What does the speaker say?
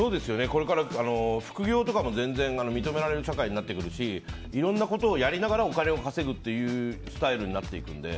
これから副業とかも全然認められる社会になってくるしいろんなことをやりながらお金を稼ぐっていうスタイルになっていくんで。